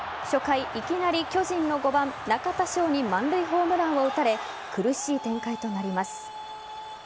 初回、いきなり巨人の５番・中田翔に満塁ホームランを打たれ苦しい展開となります。